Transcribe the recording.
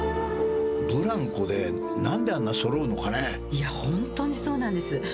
いや本当にそうなんです。